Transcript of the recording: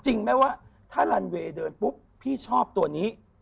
จริงไหมว่าถ้าลันเวย์เดินปุ๊บพี่ชอบตัวนี้